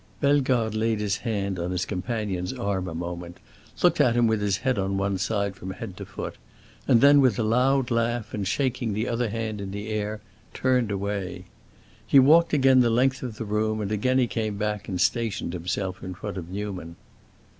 Bellegarde laid his hand on his companion's arm a moment, looked at him with his head on one side, from head to foot, and then, with a loud laugh, and shaking the other hand in the air, turned away. He walked again the length of the room, and again he came back and stationed himself in front of Newman.